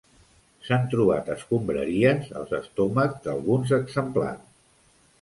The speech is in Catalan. S'han trobat escombraries als estómacs d'alguns exemplars.